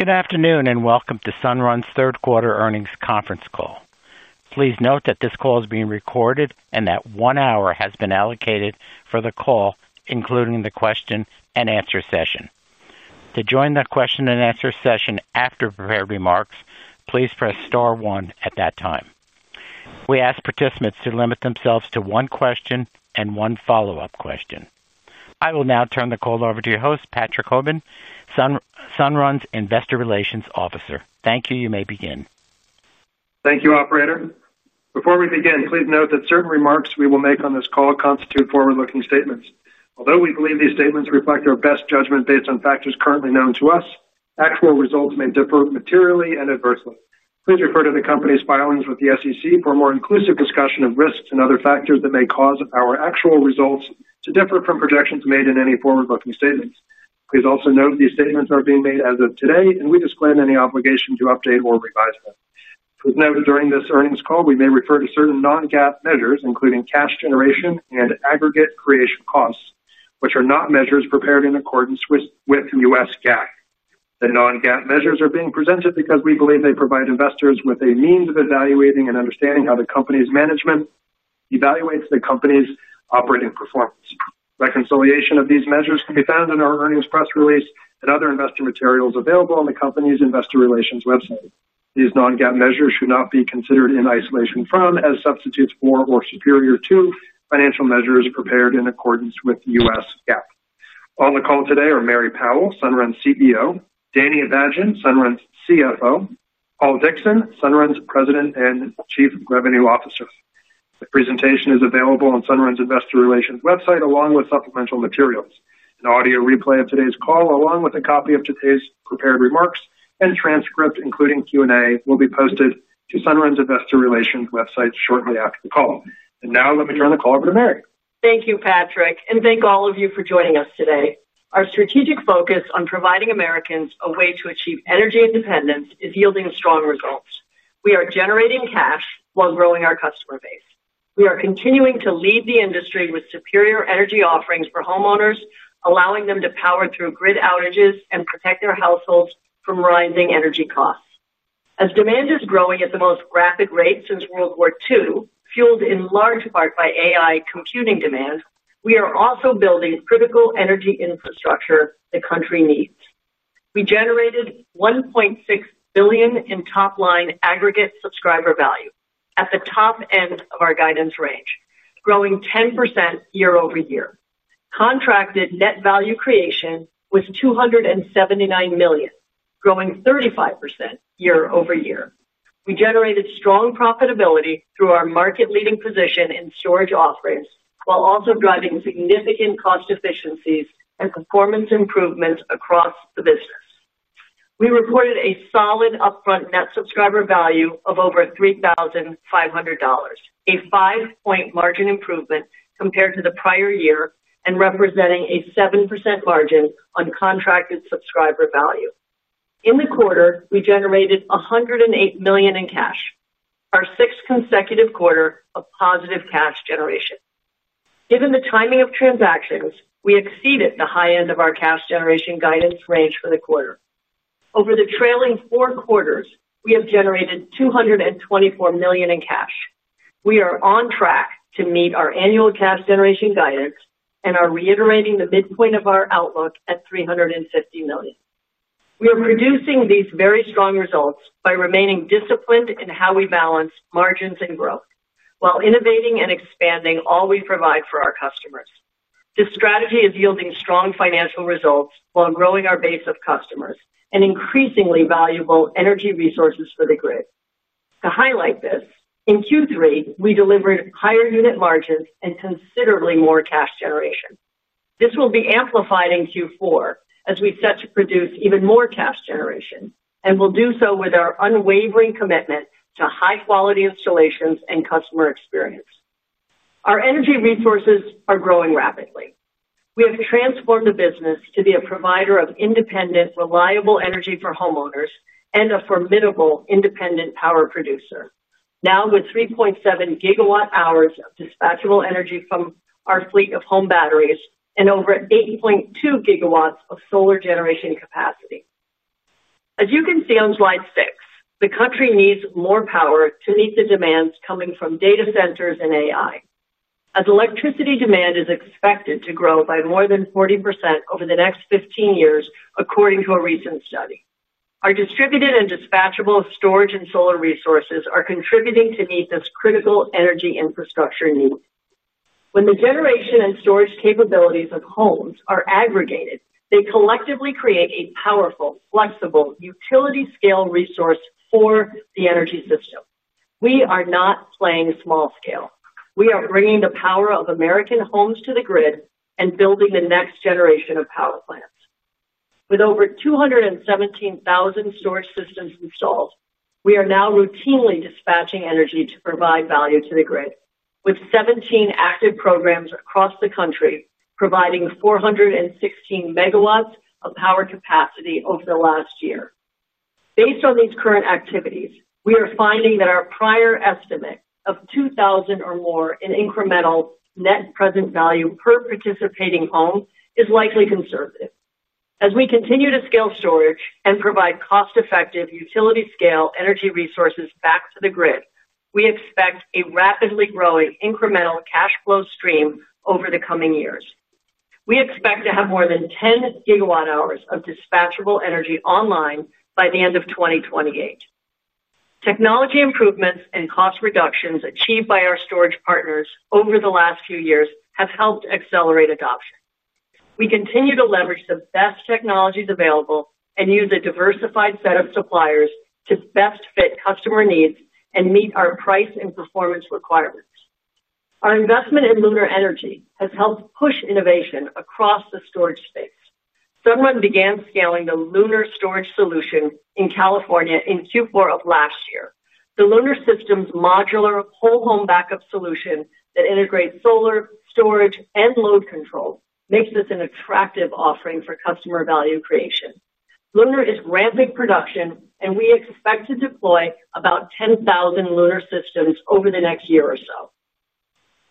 Good afternoon and welcome to Sunrun's third quarter earnings conference call. Please note that this call is being recorded and that one hour has been allocated for the call, including the question and answer session. To join the question and answer session after prepared remarks, please press star one at that time. We ask participants to limit themselves to one question and one follow-up question. I will now turn the call over to your host, Patrick Jobin, Investor Relations officer. Thank you. You may begin. Thank you, operator. Before we begin, please note that certain remarks we will make on this call constitute forward-looking statements. Although we believe these statements reflect our best judgment based on factors currently known to us, actual results may differ materially and adversely. Please refer to the company's filings with the SEC for a more inclusive discussion of risks and other factors that may cause our actual results to differ from projections made in any forward-looking statements. Please also note these statements are being made as of today, and we disclaim any obligation to update or revise them. Please note during this earnings call, we may refer to certain non-GAAP measures, including cash generation and aggregate creation costs, which are not measures prepared in accordance with US GAAP. The non-GAAP measures are being presented because we believe they provide investors with a means of evaluating and understanding how the company's management evaluates the company's operating performance. Reconciliation of these measures can be found in our earnings press release and other investor materials available on the Investor Relations website. These non-GAAP measures should not be considered in isolation from, as substitutes for, or superior to financial measures prepared in accordance with U.S. GAAP. On the call today are Mary Powell, Sunrun CEO, Danny Abajian, Sunrun's CFO, Paul Dickson, Sunrun's President and Chief Revenue Officer. The presentation is available on Investor Relations website, along with supplemental materials. An audio replay of today's call, along with a copy of today's prepared remarks and transcript, including Q&A, will be posted to Investor Relations website shortly after the call. Now let me turn the call over to Mary. Thank you, Patrick, and thank all of you for joining us today. Our strategic focus on providing Americans a way to achieve energy independence is yielding strong results. We are generating cash while growing our customer base. We are continuing to lead the industry with superior energy offerings for homeowners, allowing them to power through grid outages and protect their households from rising energy costs. As demand is growing at the most rapid rate since World War II, fueled in large part by AI computing demand, we are also building critical energy infrastructure the country needs. We generated $1.6 billion in top-line aggregate subscriber value at the top end of our guidance range, growing 10% year-over-year. Contracted net value creation was $279 million, growing 35% year-over-year. We generated strong profitability through our market-leading position in storage offerings, while also driving significant cost efficiencies and performance improvements across the business. We reported a solid upfront net subscriber value of over $3,500, a five-point margin improvement compared to the prior year and representing a 7% margin on contracted subscriber value. In the quarter, we generated $108 million in cash, our sixth consecutive quarter of positive cash generation. Given the timing of transactions, we exceeded the high end of our cash generation guidance range for the quarter. Over the trailing four quarters, we have generated $224 million in cash. We are on track to meet our annual cash generation guidance and are reiterating the midpoint of our outlook at $350 million. We are producing these very strong results by remaining disciplined in how we balance margins and growth, while innovating and expanding all we provide for our customers. This strategy is yielding strong financial results while growing our base of customers and increasingly valuable energy resources for the grid. To highlight this, in Q3, we delivered higher unit margins and considerably more cash generation. This will be amplified in Q4 as we set to produce even more cash generation and will do so with our unwavering commitment to high-quality installations and customer experience. Our energy resources are growing rapidly. We have transformed the business to be a provider of independent, reliable energy for homeowners and a formidable independent power producer, now with 3.7 GWh of dispatchable energy from our fleet of home batteries and over 8.2 GW of solar generation capacity. As you can see on slide six, the country needs more power to meet the demands coming from data centers and AI, as electricity demand is expected to grow by more than 40% over the next 15 years, according to a recent study. Our distributed and dispatchable storage and solar resources are contributing to meet this critical energy infrastructure need. When the generation and storage capabilities of homes are aggregated, they collectively create a powerful, flexible, utility-scale resource for the energy system. We are not playing small scale. We are bringing the power of American homes to the grid and building the next generation of power plants. With over 217,000 storage systems installed, we are now routinely dispatching energy to provide value to the grid, with 17 active programs across the country providing 416 MW of power capacity over the last year. Based on these current activities, we are finding that our prior estimate of $2,000 or more in incremental net present value per participating home is likely conservative. As we continue to scale storage and provide cost-effective utility-scale energy resources back to the grid, we expect a rapidly growing incremental cash flow stream over the coming years. We expect to have more than 10 GWh of dispatchable energy online by the end of 2028. Technology improvements and cost reductions achieved by our storage partners over the last few years have helped accelerate adoption. We continue to leverage the best technologies available and use a diversified set of suppliers to best fit customer needs and meet our price and performance requirements. Our investment in Lunar Energy has helped push innovation across the storage space. Sunrun began scaling the Lunar storage solution in California in Q4 of last year. The Lunar system's modular whole-home backup solution that integrates solar storage and load control makes this an attractive offering for customer value creation. Lunar is ramping production, and we expect to deploy about 10,000 Lunar systems over the next year or so.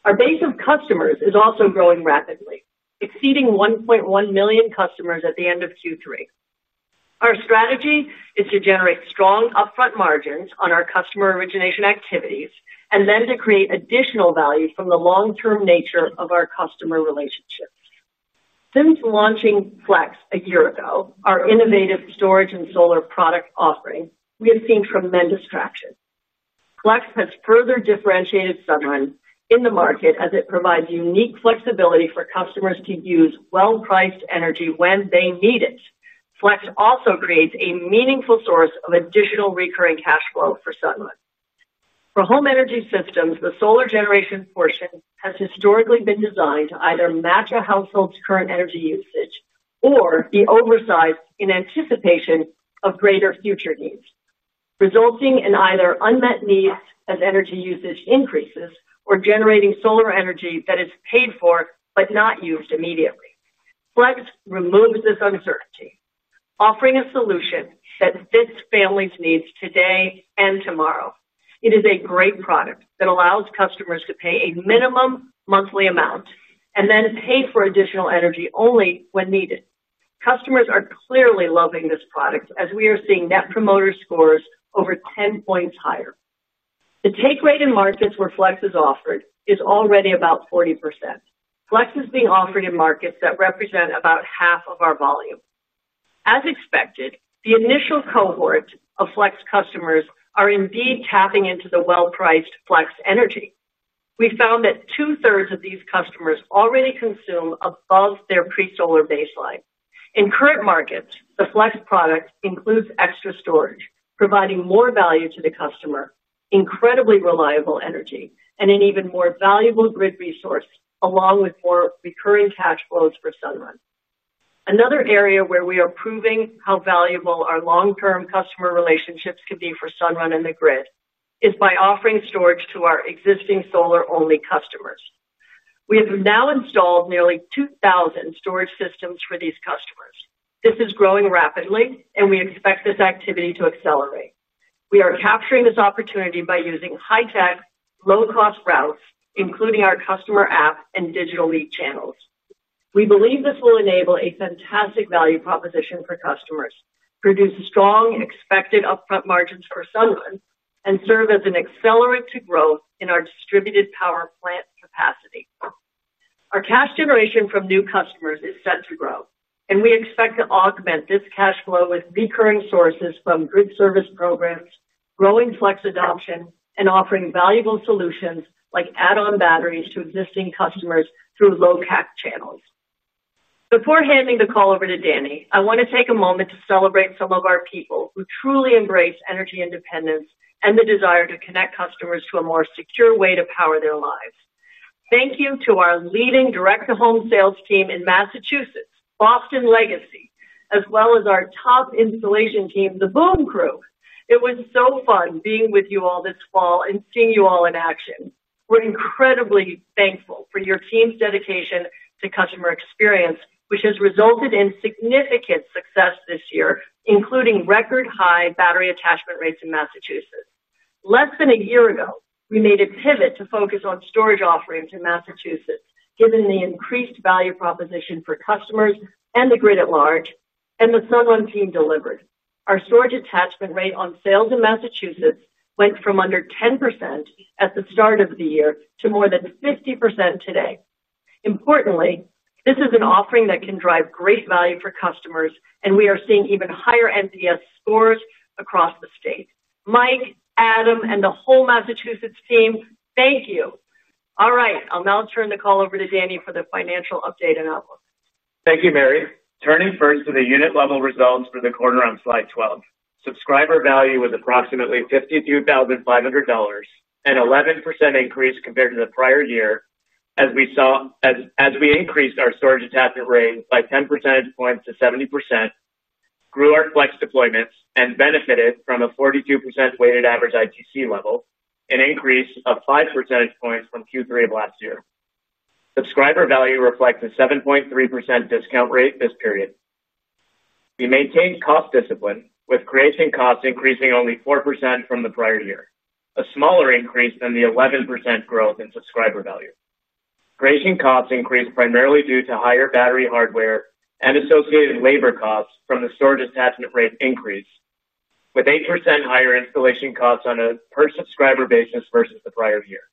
Our base of customers is also growing rapidly, exceeding 1.1 million customers at the end of Q3. Our strategy is to generate strong upfront margins on our customer origination activities and then to create additional value from the long-term nature of our customer relationships. Since launching Flex a year ago, our innovative storage and solar product offering, we have seen tremendous traction. Flex has further differentiated Sunrun in the market as it provides unique flexibility for customers to use well-priced energy when they need it. Flex also creates a meaningful source of additional recurring cash flow for Sunrun. For home energy systems, the solar generation portion has historically been designed to either match a household's current energy usage or be oversized in anticipation of greater future needs, resulting in either unmet needs as energy usage increases or generating solar energy that is paid for but not used immediately. Flex removes this uncertainty, offering a solution that fits families' needs today and tomorrow. It is a great product that allows customers to pay a minimum monthly amount and then pay for additional energy only when needed. Customers are clearly loving this product as we are seeing net promoter scores over 10 points higher. The take rate in markets where Flex is offered is already about 40%. Flex is being offered in markets that represent about half of our volume. As expected, the initial cohort of Flex customers are indeed tapping into the well-priced Flex energy. We found that two-thirds of these customers already consume above their pre-solar baseline. In current markets, the Flex product includes extra storage, providing more value to the customer, incredibly reliable energy, and an even more valuable grid resource, along with more recurring cash flows for Sunrun. Another area where we are proving how valuable our long-term customer relationships can be for Sunrun and the grid is by offering storage to our existing solar-only customers. We have now installed nearly 2,000 storage systems for these customers. This is growing rapidly, and we expect this activity to accelerate. We are capturing this opportunity by using high-tech, low-cost routes, including our customer app and digital lead channels. We believe this will enable a fantastic value proposition for customers, produce strong expected upfront margins for Sunrun, and serve as an accelerant to growth in our distributed power plant capacity. Our cash generation from new customers is set to grow, and we expect to augment this cash flow with recurring sources from grid service programs, growing Flex adoption, and offering valuable solutions like add-on batteries to existing customers through low-cap channels. Before handing the call over to Danny, I want to take a moment to celebrate some of our people who truly embrace energy independence and the desire to connect customers to a more secure way to power their lives. Thank you to our leading direct-to-home sales team in Massachusetts, Boston Legacy, as well as our top installation team, the Boom Crew. It was so fun being with you all this fall and seeing you all in action. We're incredibly thankful for your team's dedication to customer experience, which has resulted in significant success this year, including record-high battery attachment rates in Massachusetts. Less than a year ago, we made a pivot to focus on storage offering to Massachusetts, given the increased value proposition for customers and the grid at large, and the Sunrun team delivered. Our storage attachment rate on sales in Massachusetts went from under 10% at the start of the year to more than 50% today. Importantly, this is an offering that can drive great value for customers, and we are seeing even higher NPS scores across the state. Mike, Adam, and the whole Massachusetts team, thank you. All right, I'll now turn the call over to Danny for the financial update and outlook. Thank you, Mary. Turning first to the unit-level results for the quarter on slide 12, subscriber value was approximately $52,500, an 11% increase compared to the prior year as we increased our storage attachment rate by 10 percentage points to 70%. Grew our Flex deployments and benefited from a 42% weighted average ITC level, an increase of 5 percentage points from Q3 of last year. Subscriber value reflects a 7.3% discount rate this period. We maintained cost discipline with creation costs increasing only 4% from the prior year, a smaller increase than the 11% growth in subscriber value. Creation costs increased primarily due to higher battery hardware and associated labor costs from the storage attachment rate increase, with 8% higher installation costs on a per-subscriber basis versus the prior year.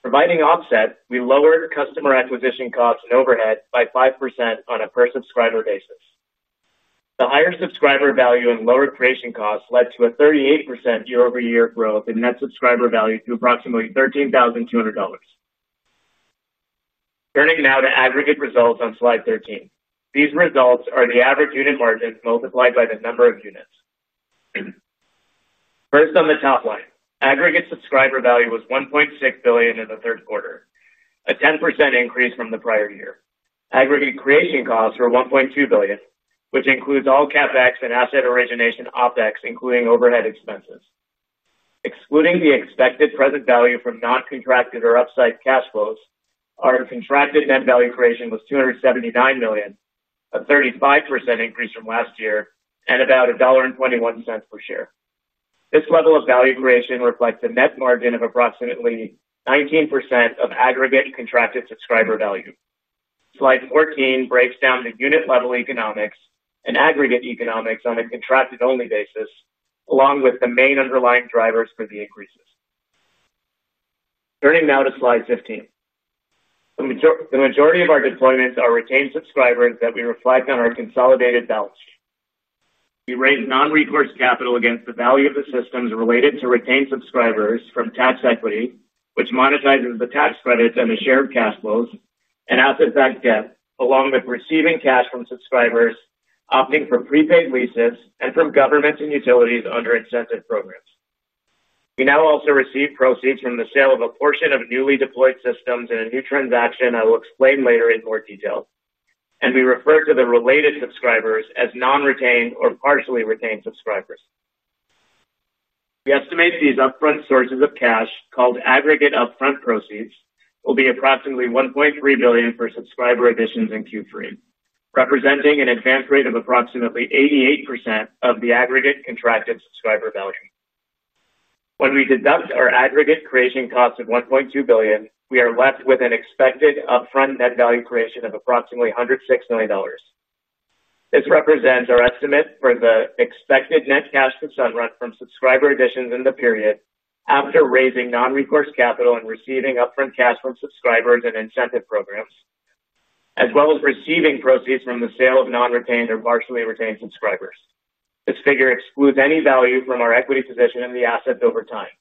Providing offset, we lowered customer acquisition costs and overhead by 5% on a per-subscriber basis. The higher subscriber value and lower creation costs led to a 38% year-over-year growth in net subscriber value to approximately $13,200. Turning now to aggregate results on slide 13. These results are the average unit margins multiplied by the number of units. First, on the top line, aggregate subscriber value was $1.6 billion in the third quarter, a 10% increase from the prior year. Aggregate creation costs were $1.2 billion, which includes all CapEx and asset origination OpEx, including overhead expenses. Excluding the expected present value from non-contracted or upside cash flows, our contracted net value creation was $279 million, a 35% increase from last year, and about $1.21 per share. This level of value creation reflects a net margin of approximately 19% of aggregate contracted subscriber value. Slide 14 breaks down the unit-level economics and aggregate economics on a contracted-only basis, along with the main underlying drivers for the increases. Turning now to slide 15. The majority of our deployments are retained subscribers that we reflect on our consolidated [balance sheet]. We rate non-recourse capital against the value of the systems related to retained subscribers from tax equity, which monetizes the tax credits and the shared cash flows, and asset-backed debt, along with receiving cash from subscribers opting for prepaid leases and from governments and utilities under incentive programs. We now also receive proceeds from the sale of a portion of newly deployed systems in a new transaction I will explain later in more detail, and we refer to the related subscribers as non-retained or partially retained subscribers. We estimate these upfront sources of cash, called aggregate upfront proceeds, will be approximately $1.3 billion for subscriber additions in Q3, representing an advance rate of approximately 88% of the aggregate contracted subscriber value. When we deduct our aggregate creation cost of $1.2 billion, we are left with an expected upfront net value creation of approximately $106 million. This represents our estimate for the expected net cash from Sunrun from subscriber additions in the period after raising non-recourse capital and receiving upfront cash from subscribers and incentive programs, as well as receiving proceeds from the sale of non-retained or partially retained subscribers. This figure excludes any value from our equity position in the asset over time,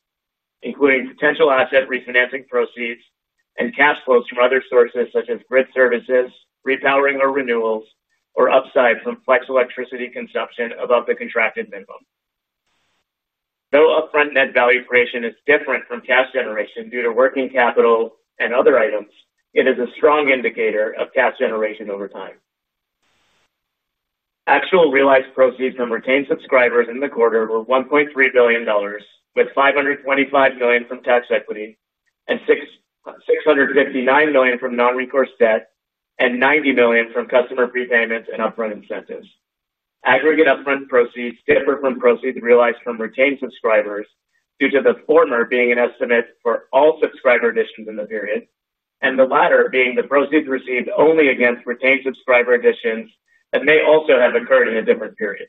including potential asset refinancing proceeds and cash flows from other sources such as grid services, repowering or renewals, or upside from Flex electricity consumption above the contracted minimum. Though upfront net value creation is different from cash generation due to working capital and other items, it is a strong indicator of cash generation over time. Actual realized proceeds from retained subscribers in the quarter were $1.3 billion, with $525 million from tax equity and $659 million from non-recourse debt and $90 million from customer prepayments and upfront incentives. Aggregate upfront proceeds differ from proceeds realized from retained subscribers due to the former being an estimate for all subscriber additions in the period and the latter being the proceeds received only against retained subscriber additions that may also have occurred in a different period.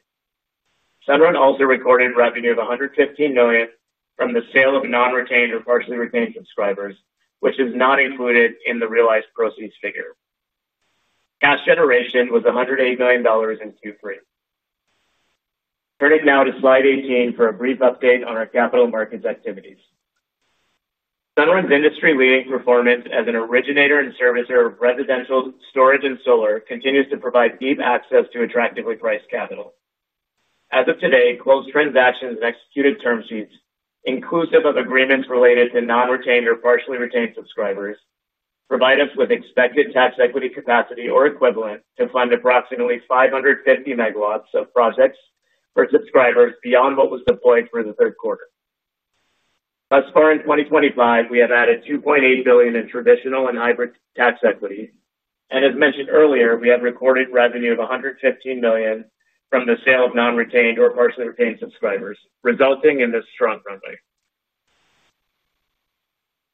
Sunrun also recorded revenue of $115 million from the sale of non-retained or partially retained subscribers, which is not included in the realized proceeds figure. Cash generation was $108 million in Q3. Turning now to slide 18 for a brief update on our capital markets activities. Sunrun's industry-leading performance as an originator and servicer of residential storage and solar continues to provide deep access to attractively priced capital. As of today, closed transactions and executed term sheets, inclusive of agreements related to non-retained or partially retained subscribers, provide us with expected tax equity capacity or equivalent to fund approximately 550 MW of projects for subscribers beyond what was deployed for the third quarter. Thus far in 2025, we have added $2.8 billion in traditional and hybrid tax equity, and as mentioned earlier, we have recorded revenue of $115 million from the sale of non-retained or partially retained subscribers, resulting in this strong runway.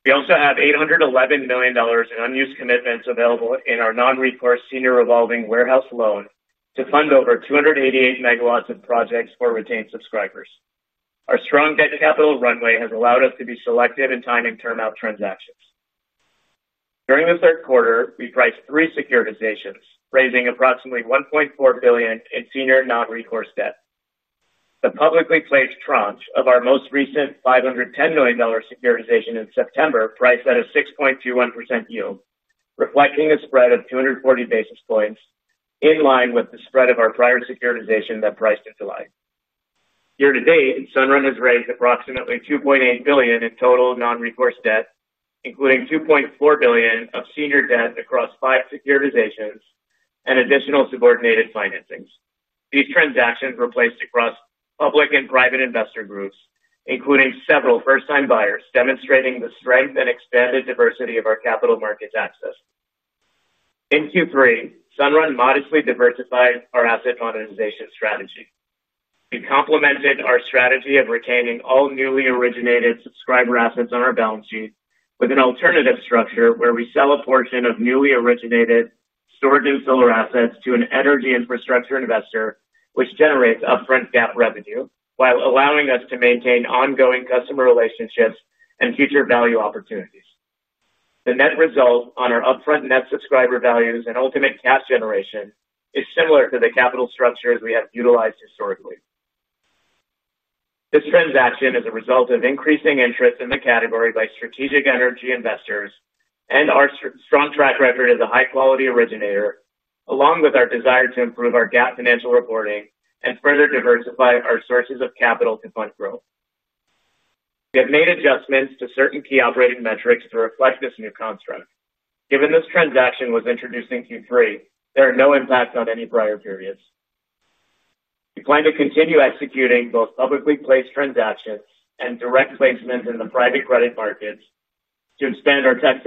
We also have $811 million in unused commitments available in our non-recourse senior revolving warehouse loan to fund over 288 MW of projects for retained subscribers. Our strong debt capital runway has allowed us to be selective in timing term-out transactions. During the third quarter, we priced three securitizations, raising approximately $1.4 billion in senior non-recourse debt. The publicly placed tranche of our most recent $510 million securitization in September priced at a 6.21% yield, reflecting a spread of 240 basis points in line with the spread of our prior securitization that priced in July. Year-to-date, Sunrun has raised approximately $2.8 billion in total non-recourse debt, including $2.4 billion of senior debt across five securitizations and additional subordinated financings. These transactions were placed across public and private investor groups, including several first-time buyers, demonstrating the strength and expanded diversity of our capital markets access. In Q3, Sunrun modestly diversified our asset modernization strategy. We complemented our strategy of retaining all newly originated subscriber assets on our balance sheet with an alternative structure where we sell a portion of newly originated storage and solar assets to an energy infrastructure investor, which generates upfront GAAP revenue while allowing us to maintain ongoing customer relationships and future value opportunities. The net result on our upfront net subscriber values and ultimate cash generation is similar to the capital structures we have utilized historically. This transaction is a result of increasing interest in the category by strategic energy investors and our strong track record as a high-quality originator, along with our desire to improve our GAAP financial reporting and further diversify our sources of capital to fund growth. We have made adjustments to certain key operating metrics to reflect this new construct. Given this transaction was introduced in Q3, there are no impacts on any prior periods. We plan to continue executing both publicly placed transactions and direct placements in the private credit markets to expand our tax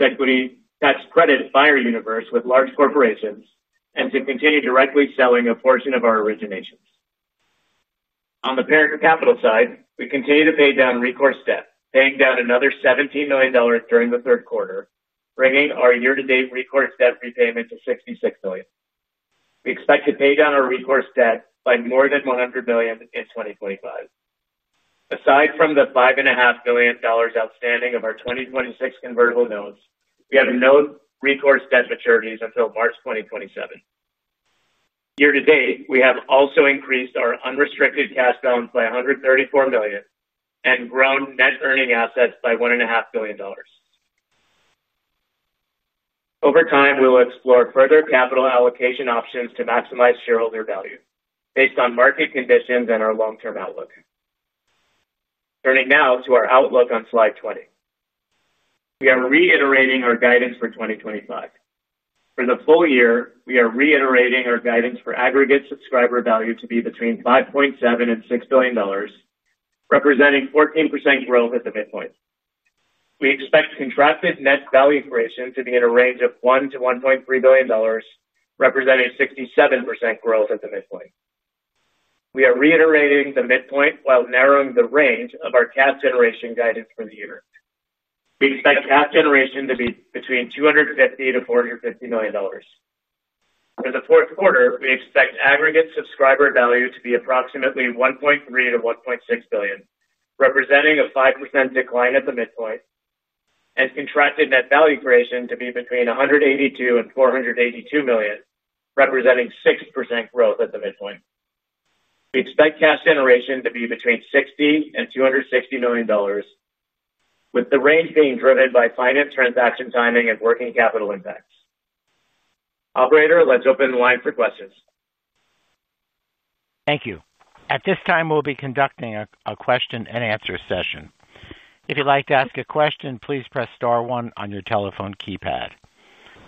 equity tax credit buyer universe with large corporations and to continue directly selling a portion of our originations. On the parent capital side, we continue to pay down recourse debt, paying down another $17 million during the third quarter, bringing our year-to-date recourse debt repayment to $66 million. We expect to pay down our recourse debt by more than $100 million in 2025. Aside from the $5.5 million outstanding of our 2026 convertible notes, we have no recourse debt maturities until March 2027. Year-to-date, we have also increased our unrestricted cash balance by $134 million and grown net earning assets by $1.5 billion. Over time, we will explore further capital allocation options to maximize shareholder value based on market conditions and our long-term outlook. Turning now to our outlook on slide 20. We are reiterating our guidance for 2025. For the full year, we are reiterating our guidance for aggregate subscriber value to be between $5.7 billion and $6 billion, representing 14% growth at the midpoint. We expect contracted net value creation to be in a range of $1 billion to $1.3 billion, representing 67% growth at the midpoint. We are reiterating the midpoint while narrowing the range of our cash generation guidance for the year. We expect cash generation to be between $250 million-$450 million. For the fourth quarter, we expect aggregate subscriber value to be approximately $1.3 billion-$1.6 billion, representing a 5% decline at the midpoint. We expect contracted net value creation to be between $182 million and $482 million, representing 6% growth at the midpoint. We expect cash generation to be between $60 million-$260 million. With the range being driven by finance transaction timing and working capital impacts. Operator, let's open the line for questions. Thank you. At this time, we'll be conducting a question and answer session. If you'd like to ask a question, please press star one on your telephone keypad.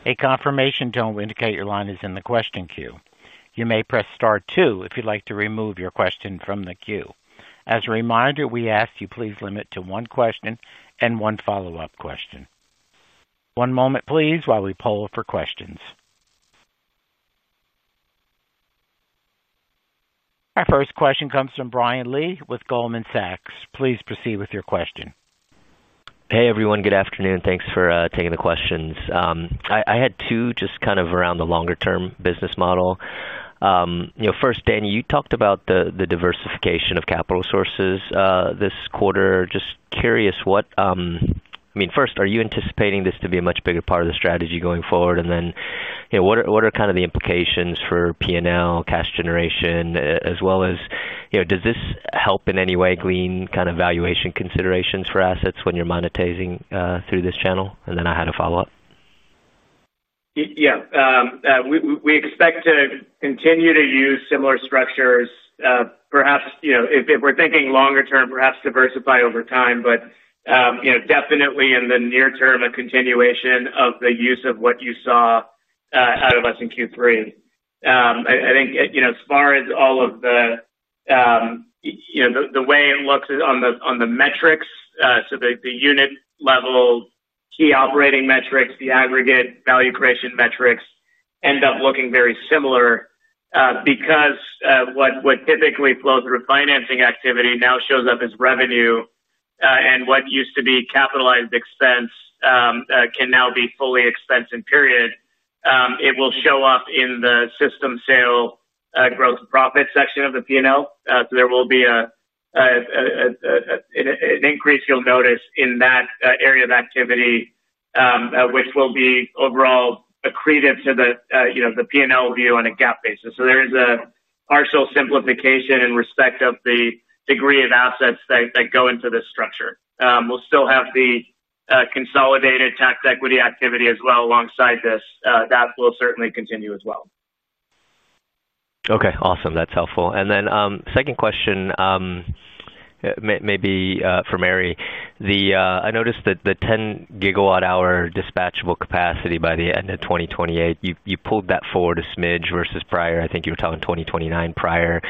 A confirmation tone will indicate your line is in the question queue. You may press star two if you'd like to remove your question from the queue. As a reminder, we ask you please limit to one question and one follow-up question. One moment, please, while we poll for questions. Our first question comes from Brian Lee with Goldman Sachs. Please proceed with your question. Hey, everyone. Good afternoon. Thanks for taking the questions. I had two just kind of around the longer-term business model. First, Danny, you talked about the diversification of capital sources this quarter. Just curious what I mean, first, are you anticipating this to be a much bigger part of the strategy going forward? What are kind of the implications for P&L, cash generation, as well as does this help in any way glean kind of valuation considerations for assets when you're monetizing through this channel? I had a follow-up. Yeah. We expect to continue to use similar structures. Perhaps if we're thinking longer-term, perhaps diversify over time, but definitely in the near-term, a continuation of the use of what you saw out of us in Q3. I think as far as all of the way it looks on the metrics, so the unit-level key operating metrics, the aggregate value creation metrics end up looking very similar. Because what typically flows through financing activity now shows up as revenue, and what used to be capitalized expense can now be fully expensed in period. It will show up in the system sale gross profit section of the P&L. There will be an increase you'll notice in that area of activity, which will be overall accretive to the P&L view on a GAAP basis. There is a partial simplification in respect of the degree of assets that go into this structure. We'll still have the consolidated tax equity activity as well alongside this. That will certainly continue as well. Okay. Awesome. That's helpful. Then second question. Maybe for Mary. I noticed that the 10 gigawatt-hour dispatchable capacity by the end of 2028, you pulled that forward a smidge versus prior. I think you were talking 2029 prior.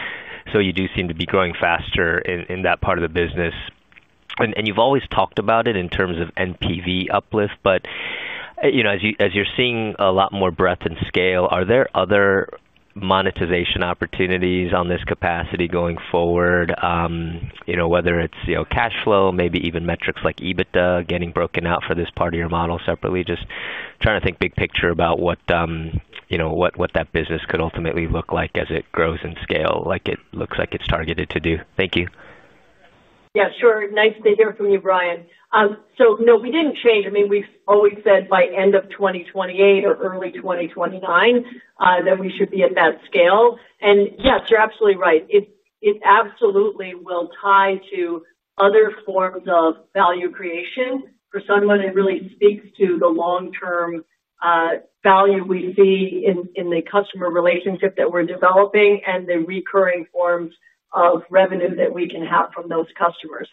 You do seem to be growing faster in that part of the business. You've always talked about it in terms of NPV uplift, but as you're seeing a lot more breadth and scale, are there other monetization opportunities on this capacity going forward, whether it's cash flow, maybe even metrics like EBITDA getting broken out for this part of your model separately? Just trying to think big picture about what that business could ultimately look like as it grows in scale, like it looks like it's targeted to do. Thank you. Yeah. Sure. Nice to hear from you, Brian. No, we didn't change. I mean, we've always said by end of 2028 or early 2029 that we should be at that scale. Yes, you're absolutely right. It absolutely will tie to other forms of value creation for someone that really speaks to the long-term value we see in the customer relationship that we're developing and the recurring forms of revenue that we can have from those customers.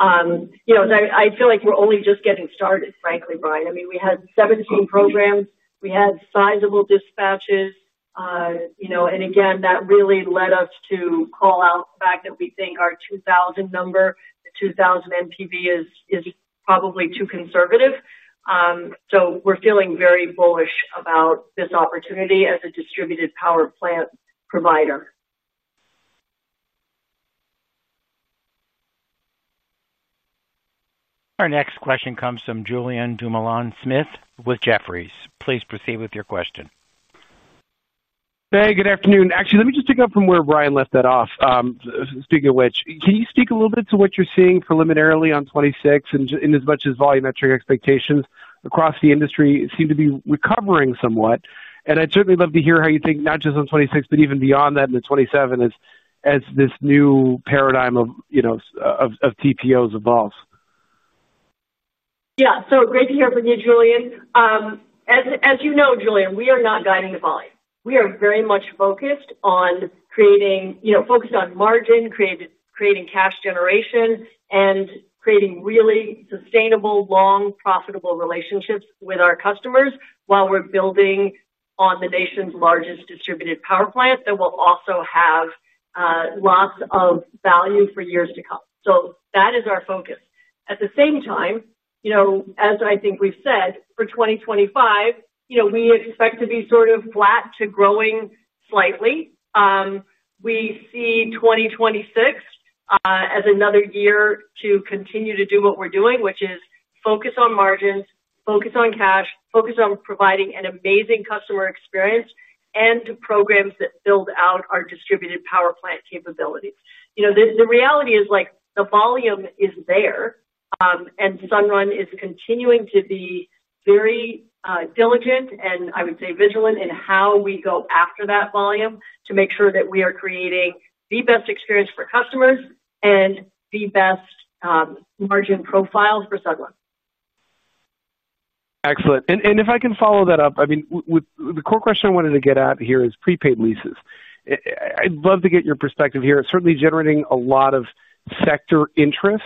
I feel like we're only just getting started, frankly, Brian. I mean, we had 17 programs. We had sizable dispatches. That really led us to call out the fact that we think our 2,000 number, the 2,000 NPV, is probably too conservative. We're feeling very bullish about this opportunity as a distributed power plant provider. Our next question comes from Julien Dumoulin-Smith with Jefferies. Please proceed with your question. Hey, good afternoon. Actually, let me just pick up from where Brian left that off. Speaking of which, can you speak a little bit to what you're seeing preliminarily on 2026? As much as volumetric expectations across the industry seem to be recovering somewhat, I'd certainly love to hear how you think not just on 2026, but even beyond that in 2027 as this new paradigm of TPOs evolves. Yeah. Great to hear from you, Julien. As you know, Julien, we are not guiding the volume. We are very much focused on margin, creating cash generation, and creating really sustainable, long, profitable relationships with our customers while we are building on the nation's largest distributed power plant that will also have lots of value for years to come. That is our focus. At the same time, as I think we have said, for 2025, we expect to be sort of flat to growing slightly. We see 2026 as another year to continue to do what we are doing, which is focus on margins, focus on cash, focus on providing an amazing customer experience, and to programs that build out our distributed power plant capabilities. The reality is the volume is there, and Sunrun is continuing to be very diligent and, I would say, vigilant in how we go after that volume to make sure that we are creating the best experience for customers and the best margin profile for Sunrun. Excellent. If I can follow that up, I mean, the core question I wanted to get at here is prepaid leases. I'd love to get your perspective here. It's certainly generating a lot of sector interest.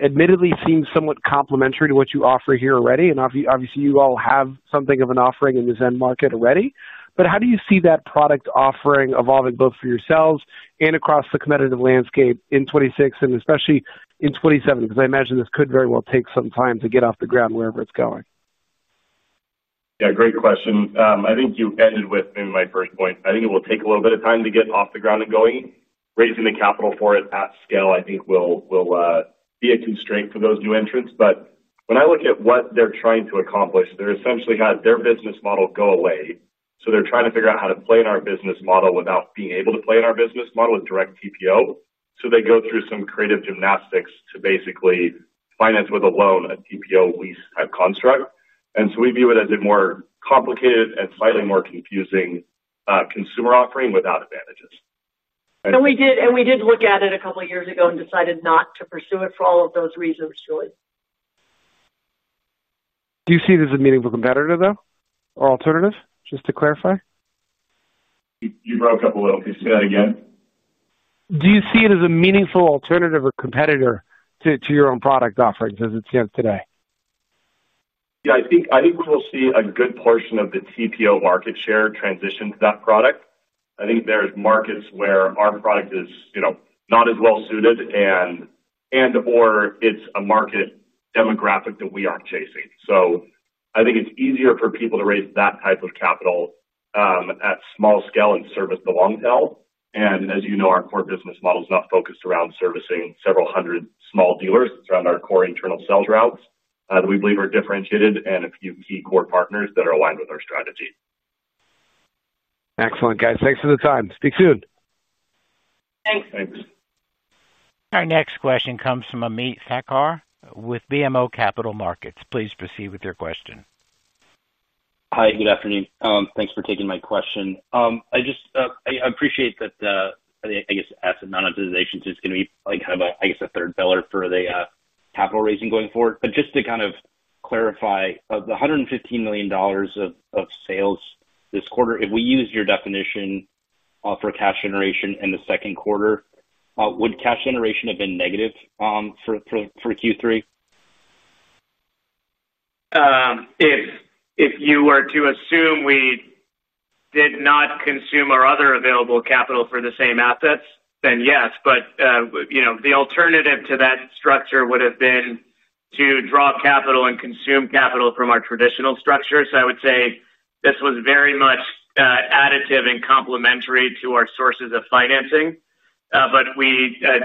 Admittedly, it seems somewhat complementary to what you offer here already. Obviously, you all have something of an offering in the Zen market already. How do you see that product offering evolving both for yourselves and across the competitive landscape in 2026 and especially in 2027? I imagine this could very well take some time to get off the ground wherever it's going. Yeah. Great question. I think you ended with maybe my first point. I think it will take a little bit of time to get off the ground and going. Raising the capital for it at scale, I think, will be a constraint for those new entrants. When I look at what they're trying to accomplish, they essentially had their business model go away. They are trying to figure out how to play in our business model without being able to play in our business model with direct TPO. They go through some creative gymnastics to basically finance with a loan, a TPO lease type construct. We view it as a more complicated and slightly more confusing consumer offering without advantages. We did look at it a couple of years ago and decided not to pursue it for all of those reasons, Julien. Do you see this as a meaningful competitor, though, or alternative, just to clarify? You broke up a little. Can you say that again? Do you see it as a meaningful alternative or competitor to your own product offerings as it stands today? Yeah. I think we will see a good portion of the TPO market share transition to that product. I think there are markets where our product is not as well suited and/or it's a market demographic that we aren't chasing. I think it's easier for people to raise that type of capital at small scale and service the long tail. As you know, our core business model is not focused around servicing several hundred small dealers. It's around our core internal sales routes that we believe are differentiated and a few key core partners that are aligned with our strategy. Excellent, guys. Thanks for the time. Speak soon. Thanks. Our next question comes from Amit Sarkar with BMO Capital Markets. Please proceed with your question. Hi. Good afternoon. Thanks for taking my question. I appreciate that. I guess, asked the amount of monetization. So it's going to be kind of, I guess, a third pillar for the capital raising going forward. Just to kind of clarify, of the $115 million of sales this quarter, if we used your definition. For cash generation in the second quarter, would cash generation have been negative for Q3? If you were to assume we did not consume our other available capital for the same assets, then yes. The alternative to that structure would have been to draw capital and consume capital from our traditional structure. I would say this was very much additive and complementary to our sources of financing. I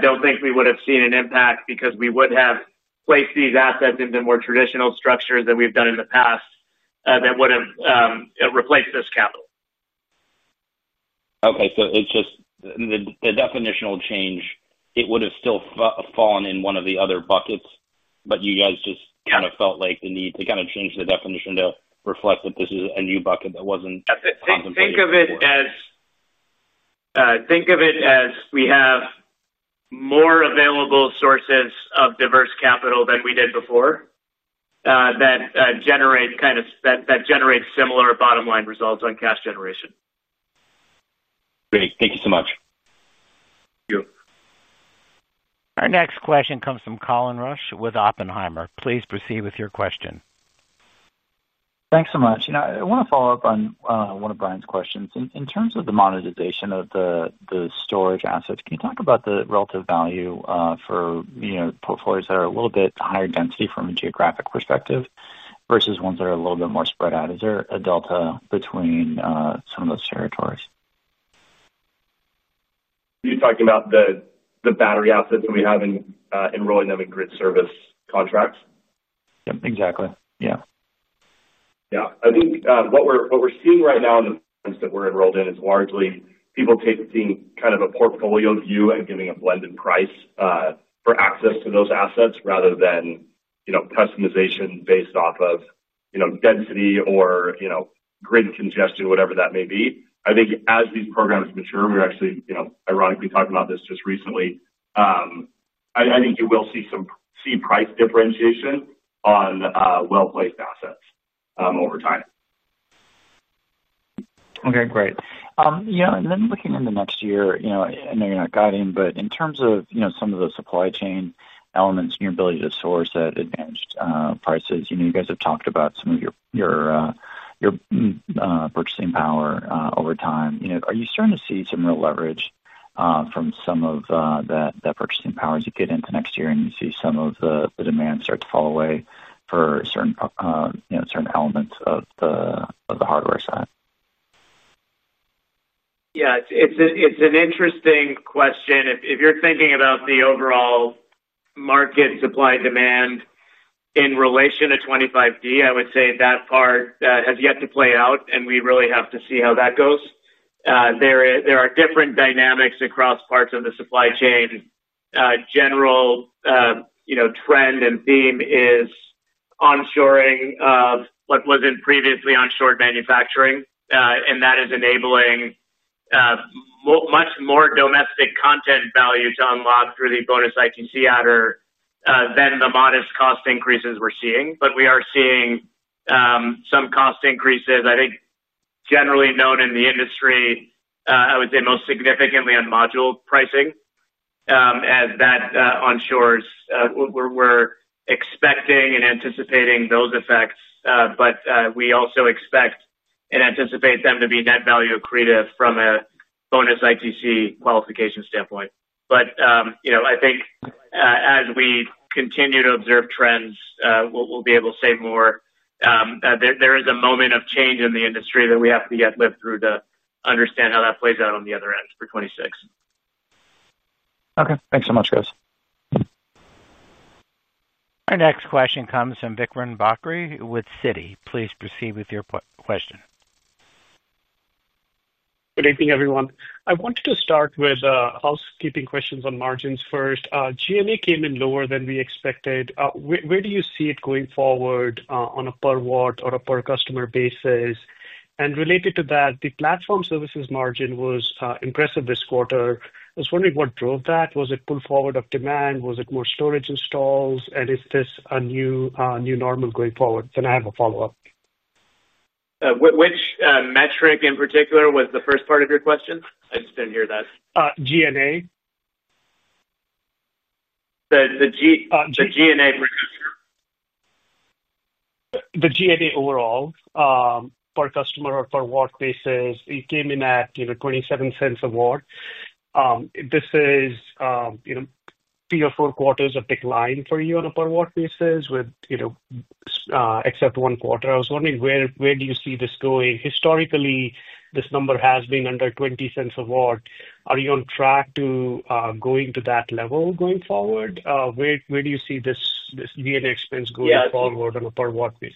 do not think we would have seen an impact because we would have placed these assets into more traditional structures than we have done in the past. That would have replaced this capital. Okay. So it's just the definitional change, it would have still fallen in one of the other buckets, but you guys just kind of felt like the need to kind of change the definition to reflect that this is a new bucket that wasn't compensated. Think of it as we have more available sources of diverse capital than we did before. That generates similar bottom-line results on cash generation. Great. Thank you so much. Thank you. Our next question comes from Colin Rusch with Oppenheimer. Please proceed with your question. Thanks so much. I want to follow up on one of Brian's questions. In terms of the monetization of the storage assets, can you talk about the relative value for portfolios that are a little bit higher density from a geographic perspective versus ones that are a little bit more spread out? Is there a delta between some of those territories? Are you talking about the battery assets that we have and enrolling them in grid service contracts? Yeah. Exactly. Yeah. Yeah. I think what we're seeing right now in the ones that we're enrolled in is largely people taking kind of a portfolio view and giving a blended price for access to those assets rather than customization based off of density or grid congestion, whatever that may be. I think as these programs mature, we were actually ironically talking about this just recently. I think you will see price differentiation on well-placed assets over time. Okay. Great. Then looking into next year, I know you're not guiding, but in terms of some of the supply chain elements and your ability to source at advantaged prices, you guys have talked about some of your purchasing power over time. Are you starting to see some real leverage from some of that purchasing power as you get into next year and you see some of the demand start to fall away for certain elements of the hardware side? Yeah. It's an interesting question. If you're thinking about the overall market supply demand in relation to 25D, I would say that part has yet to play out, and we really have to see how that goes. There are different dynamics across parts of the supply chain. General trend and theme is onshoring of what wasn't previously onshored manufacturing, and that is enabling much more domestic content value to unlock through the bonus ITC adder than the modest cost increases we're seeing. But we are seeing some cost increases, I think, generally known in the industry. I would say most significantly on module pricing. As that onshores, we're expecting and anticipating those effects, but we also expect and anticipate them to be net value accretive from a bonus ITC qualification standpoint. I think as we continue to observe trends, we'll be able to say more. There is a moment of change in the industry that we have to yet live through to understand how that plays out on the other end for 2026. Okay. Thanks so much, guys. Our next question comes from Vikran Bagri with Citi. Please proceed with your question. Good evening, everyone. I wanted to start with housekeeping questions on margins first. G&A came in lower than we expected. Where do you see it going forward on a per-watt or a per-customer basis? Related to that, the platform services margin was impressive this quarter. I was wondering what drove that. Was it pull forward of demand? Was it more storage installs? Is this a new normal going forward? I have a follow-up. Which metric in particular was the first part of your question? I just didn't hear that. G&A. The G&A percent. The G&A overall. Per-customer or per-watt basis, it came in at $0.27 a watt. This is three or four quarters of decline for you on a per-watt basis, except one quarter. I was wondering, where do you see this going? Historically, this number has been under $0.20 a watt. Are you on track to going to that level going forward? Where do you see this G&A expense going forward on a per-watt base?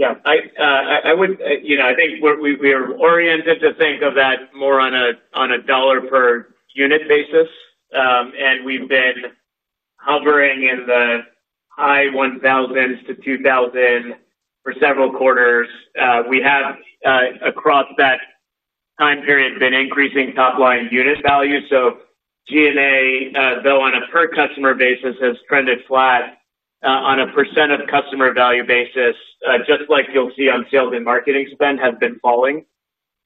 Yeah. I think we are oriented to think of that more on a dollar per unit basis. And we've been hovering in the high $1,000s to $2,000 for several quarters. We have, across that time period, been increasing top-line unit value. G&A, though, on a per-customer basis, has trended flat. On a percent of customer value basis, just like you'll see on sales and marketing spend, has been falling.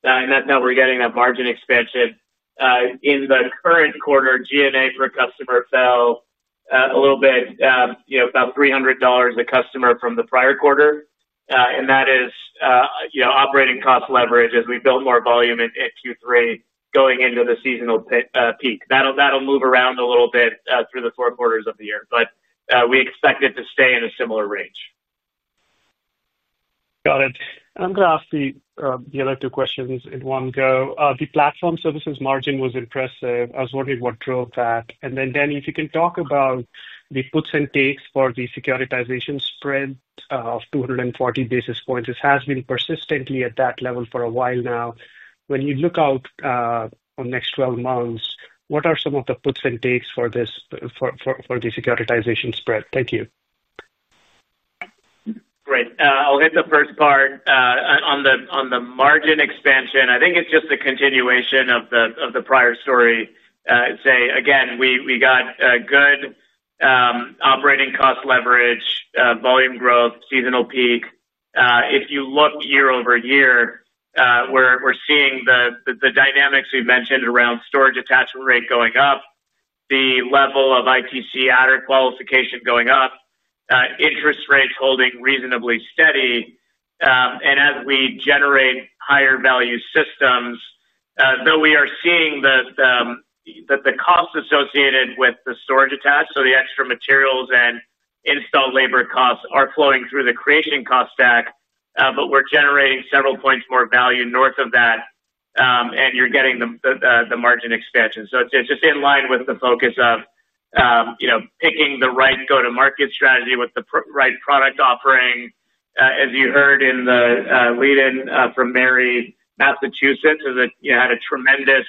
That is how we're getting that margin expansion. In the current quarter, G&A per customer fell a little bit, about $300 a customer from the prior quarter. That is operating cost leverage as we built more volume in Q3 going into the seasonal peak. That'll move around a little bit through the four quarters of the year. We expect it to stay in a similar range. Got it. I'm going to ask the other two questions in one go. The platform services margin was impressive. I was wondering what drove that. Danny, if you can talk about the puts and takes for the securitization spread of 240 basis points. This has been persistently at that level for a while now. When you look out on the next 12 months, what are some of the puts and takes for the securitization spread? Thank you. Great. I'll hit the first part. On the margin expansion, I think it's just a continuation of the prior story. Say again, we got good operating cost leverage, volume growth, seasonal peak. If you look year-over-year, we're seeing the dynamics we've mentioned around storage attachment rate going up, the level of ITC added qualification going up. Interest rates holding reasonably steady. As we generate higher value systems, though we are seeing the cost associated with the storage attached, so the extra materials and install labor costs are flowing through the creation cost stack, but we're generating several points more value north of that. You're getting the margin expansion. It's just in line with the focus of picking the right go-to-market strategy with the right product offering. As you heard in the lead-in from Mary, Massachusetts had a tremendous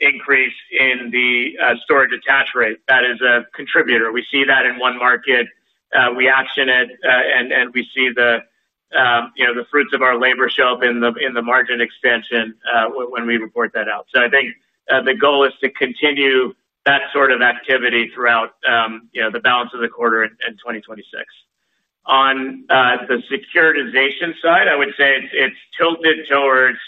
increase in the storage attach rate. That is a contributor. We see that in one market. We action it, and we see the fruits of our labor show up in the margin expansion when we report that out. I think the goal is to continue that sort of activity throughout the balance of the quarter and 2026. On the securitization side, I would say it's tilted towards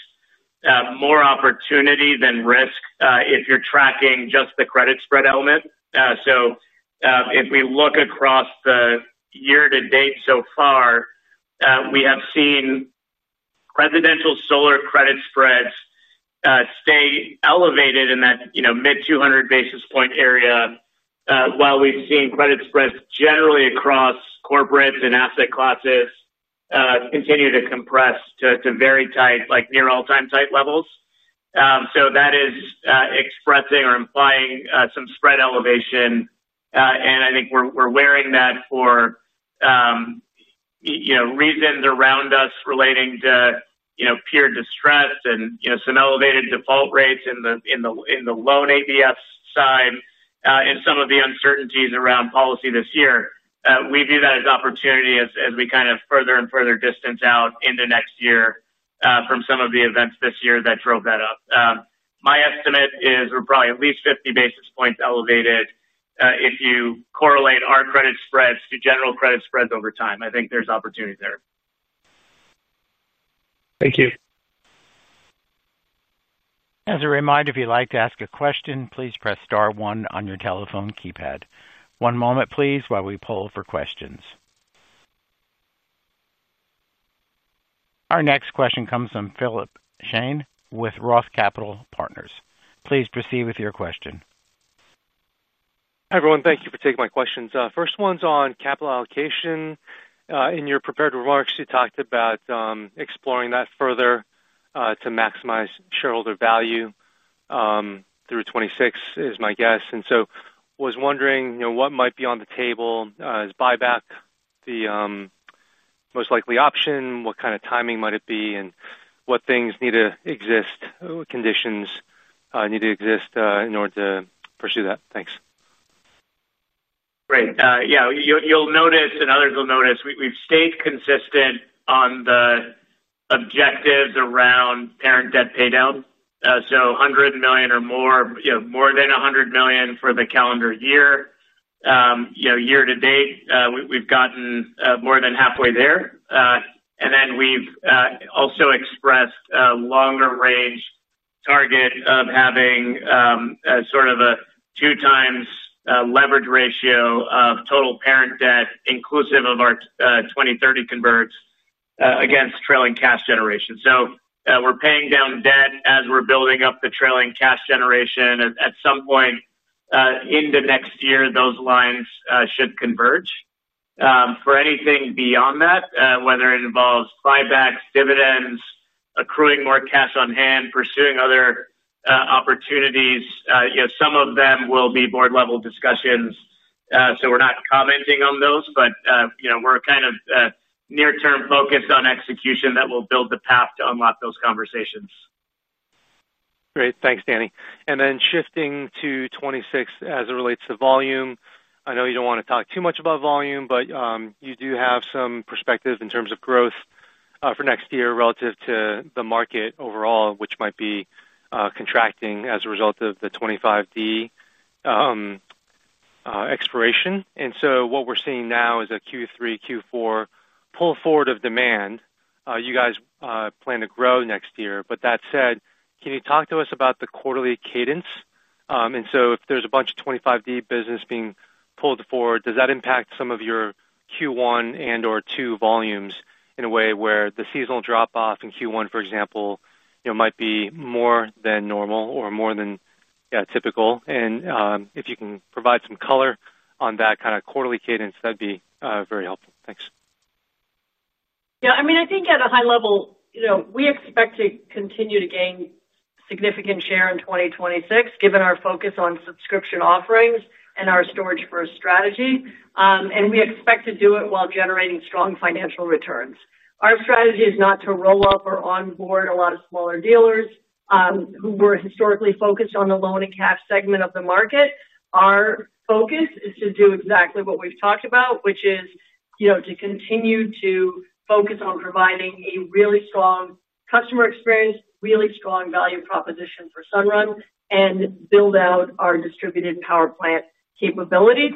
more opportunity than risk if you're tracking just the credit spread element. If we look across the year-to-date so far, we have seen presidential solar credit spreads stay elevated in that mid-200 basis point area, while we've seen credit spreads generally across corporates and asset classes continue to compress to very tight, like near all-time tight levels. That is expressing or implying some spread elevation. I think we're wearing that for reasons around us relating to peer distress and some elevated default rates in the loan ABS side and some of the uncertainties around policy this year. We view that as opportunity as we kind of further and further distance out into next year from some of the events this year that drove that up. My estimate is we're probably at least 50 basis points elevated. If you correlate our credit spreads to general credit spreads over time, I think there's opportunity there. Thank you. As a reminder, if you'd like to ask a question, please press star one on your telephone keypad. One moment, please, while we poll for questions. Our next question comes from Philip Shen with Roth Capital Partners. Please proceed with your question. Everyone, thank you for taking my questions. First one's on capital allocation. In your prepared remarks, you talked about exploring that further to maximize shareholder value through 2026 is my guess. I was wondering what might be on the table as buyback, the most likely option, what kind of timing might it be, and what things need to exist, what conditions need to exist in order to pursue that. Thanks. Great. Yeah. You'll notice, and others will notice, we've stayed consistent on the objectives around parent debt paydown. So $100 million or more, more than $100 million for the calendar year. Year-to-date, we've gotten more than halfway there. And then we've also expressed a longer range target of having sort of a two-times leverage ratio of total parent debt, inclusive of our 2030 converts against trailing cash generation. So we're paying down debt as we're building up the trailing cash generation. At some point in the next year, those lines should converge. For anything beyond that, whether it involves buybacks, dividends, accruing more cash on hand, pursuing other opportunities, some of them will be board-level discussions. So we're not commenting on those, but we're kind of near-term focused on execution that will build the path to unlock those conversations. Great. Thanks, Danny. Then shifting to 2026 as it relates to volume, I know you do not want to talk too much about volume, but you do have some perspective in terms of growth for next year relative to the market overall, which might be contracting as a result of the 25D expiration. What we are seeing now is a Q3, Q4 pull forward of demand. You guys plan to grow next year. That said, can you talk to us about the quarterly cadence? If there is a bunch of 25D business being pulled forward, does that impact some of your Q1 and/or Q2 volumes in a way where the seasonal drop-off in Q1, for example, might be more than normal or more than typical? If you can provide some color on that kind of quarterly cadence, that would be very helpful. Thanks. Yeah. I mean, I think at a high level, we expect to continue to gain significant share in 2026, given our focus on subscription offerings and our storage-first strategy. We expect to do it while generating strong financial returns. Our strategy is not to roll up or onboard a lot of smaller dealers who were historically focused on the loan and cash segment of the market. Our focus is to do exactly what we've talked about, which is to continue to focus on providing a really strong customer experience, really strong value proposition for Sunrun, and build out our distributed power plant capabilities.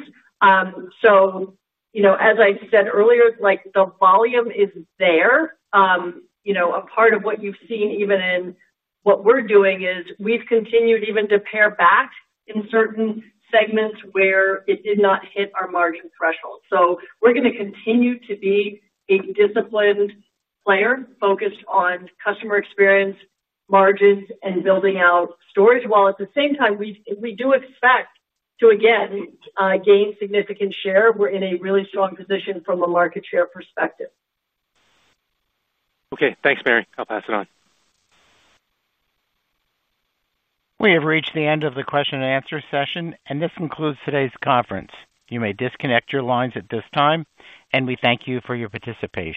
As I said earlier, the volume is there. A part of what you've seen even in what we're doing is we've continued even to pare back in certain segments where it did not hit our margin threshold. We're going to continue to be a disciplined player focused on customer experience, margins, and building out storage, while at the same time, we do expect to, again, gain significant share. We're in a really strong position from a market share perspective. Okay. Thanks, Mary. I'll pass it on. We have reached the end of the question and answer session, and this concludes today's conference. You may disconnect your lines at this time, and we thank you for your participation.